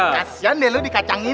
kasian deh lu dikacangin